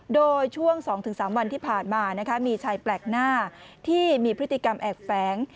โดยช่วง๒๓วันที่ผ่านมามีชายแปลกหน้าที่มีพฤติกรรมแอบแฝง